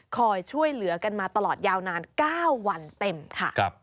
คอยช่วยเหลือกันมาตลอดยาวนาน๙วันเต็มค่ะ